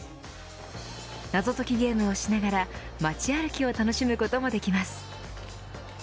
謎解きゲームをしながら街歩きを楽しむこともできます。